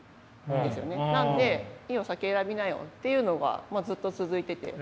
なんで「いいよ先選びなよ」っていうのがずっと続いてて。